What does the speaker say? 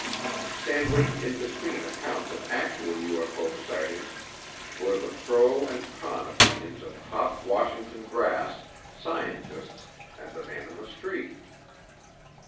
Sandwiched in between accounts of actual UFO sightings were the pro and con opinions of top Washington brass, scientists, and the man on the street.